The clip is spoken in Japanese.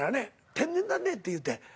「天然だね」って言うて。